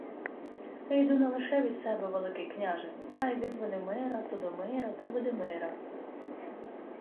— Йду не лише від себе, Великий княже, а й від Велімира, Тодомира та Видимира...